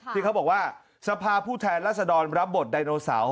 ที่เขาบอกว่าสภาพผู้แทนรัศดรรับบทไดโนเสาร์